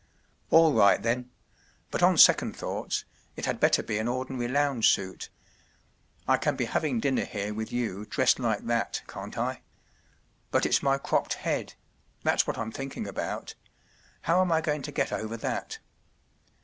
“ All right, then—but on second thoughts —it had better be an ordinary lounge suit. I can be having dinner here with you dressed like that, can’t I ? But it’s my cropped head —that’s what I’m thinking about. How am I going to get over that